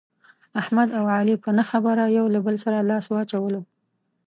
احمد او علي په نه خبره یو له بل سره لاس واچولو.